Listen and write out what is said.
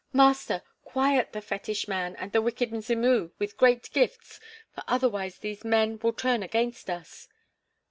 Master, quiet the fetish man and the wicked Mzimu with great gifts, for otherwise these men will turn against us."